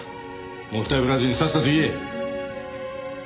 もったいぶらずにさっさと言え。